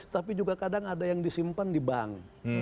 tapi juga kadang ada yang disimpan di bank